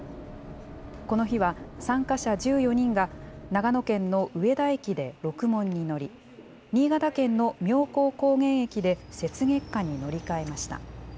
この日は、参加者１４人が、長野県の上田駅でろくもんに乗り、新潟県の妙高高原駅で雪月花に乗り換えました。